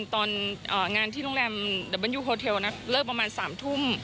ตอนอ่างานที่โรงแรมดับเบิ้ลยูโฮเทลนะเลิกประมาณสามทุ่ม